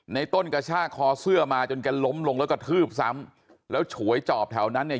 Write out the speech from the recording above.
ในต้นกระชากคอเสื้อมาจนแกล้มลงแล้วกระทืบซ้ำแล้วฉวยจอบแถวนั้นเนี่ย